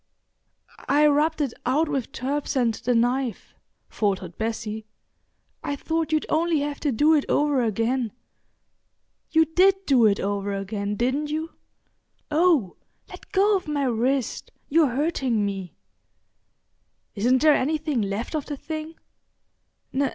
"I rubbed it out with turps and the knife," faltered Bessie. "I thought you'd only have to do it over again. You did do it over again, didn't you? Oh, let go of my wrist; you're hurting me." "Isn't there anything left of the thing?"